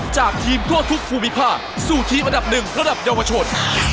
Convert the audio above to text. จากทีมทั่วทุกภูมิภาคสู่ทีมอันดับหนึ่งระดับเยาวชน